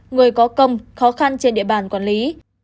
người có công khó khăn trên địa bàn quản lý